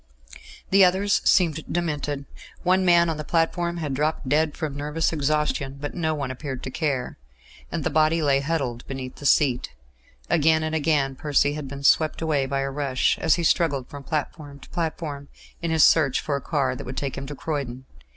The others seemed demented; one man on the platform had dropped dead from nervous exhaustion, but no one appeared to care; and the body lay huddled beneath a seat. Again and again Percy had been swept away by a rush, as he struggled from platform to platform in his search for a car that would take him to Croydon.